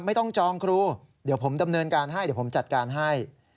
จองครูเดี๋ยวผมดำเนินการให้เดี๋ยวผมจัดการให้